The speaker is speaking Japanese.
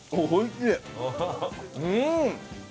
うん！